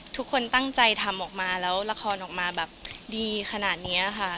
ทุกคนตั้งใจทำออกมาแล้วละครออกมาแบบดีขนาดนี้ค่ะ